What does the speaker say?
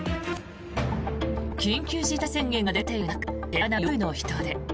緊急事態宣言が出ている中減らない夜の人出。